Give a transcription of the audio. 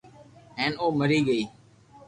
ھين او مري گئي